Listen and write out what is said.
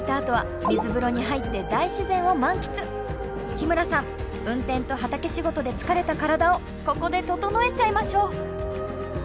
日村さん運転と畑仕事で疲れた体をここで整えちゃいましょう！